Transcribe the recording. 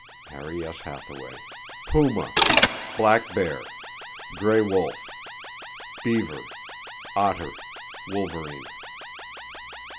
—(Harry S. Hathaway); puma, black bear, gray wolf, beaver, otter, wolverine.